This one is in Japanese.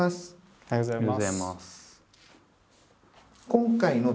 おはようございます。